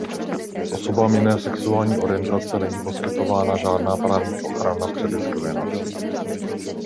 Osobám jiné sexuální orientace není poskytována žádná právní ochrana před diskriminací.